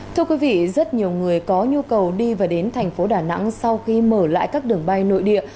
thưa quý vị rất nhiều người có nhu cầu đi và đến thành phố đà nẵng sau khi mở lại các đường bay nội địa